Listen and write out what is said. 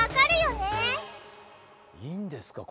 いいんですか？